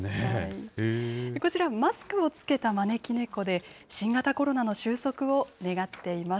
こちら、マスクを着けた招き猫で、新型コロナの終息を願っています。